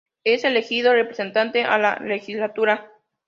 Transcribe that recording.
Es elegido Representante a la Legislatura.